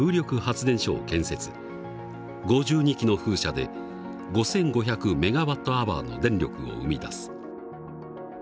５２基の風車で５，５００メガワットアワーの電力を生み出す。